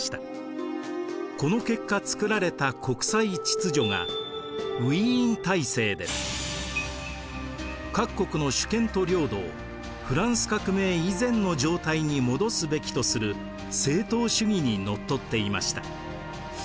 この結果作られた国際秩序が各国の主権と領土をフランス革命以前の状態に戻すべきとする正統主義にのっとっていました。